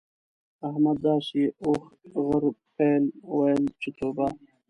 احمد داسې اوښ، غر، پيل؛ ويل چې توبه!